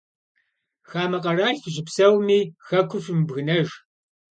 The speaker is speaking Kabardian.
Хамэ къэрал фыщыпсэуми, хэкур фымыбгынэж.